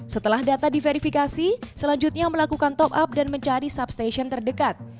setelah data diverifikasi selanjutnya melakukan top up dan mencari substation terdekat